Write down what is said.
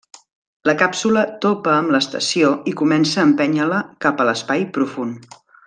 La càpsula topa amb l'estació i comença a empènyer-la cap a l'espai profund.